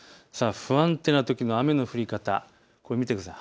不安定なときの雨の降り方見てください。